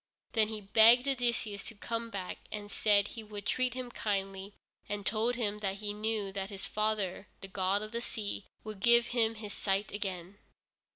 Then he begged Odysseus to come back, and said he would treat him kindly, and told him that he knew that his own father, the god of the sea, would give him his sight again.